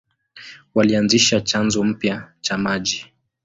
Walianzisha chanzo mpya cha maji.